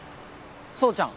蒼ちゃん。